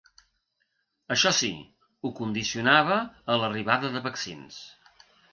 Això sí, ho condicionava a l’arribada de vaccins.